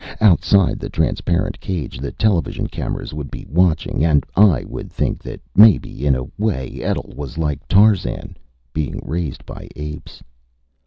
Outside the transparent cage, the television cameras would be watching. And I would think that maybe in a way Etl was like Tarzan, being raised by apes.